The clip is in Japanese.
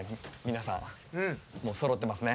皆さんもうそろってますね。